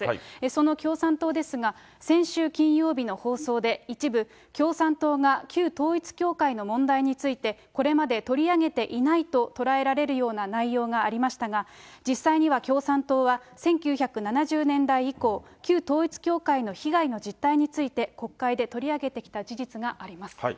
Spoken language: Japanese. その共産党ですが、先週金曜日の放送で一部、共産党が旧統一教会の問題について、これまで取り上げていないと捉えられるような内容がありましたが、実際には共産党は１９７０年代以降、旧統一教会の被害の実態について、国会で取り上げてきた事実があります。